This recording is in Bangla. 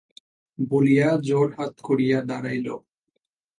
বলিয়া জোড়হাত করিয়া দাঁড়াইল।